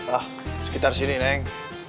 ah sekitar sini neng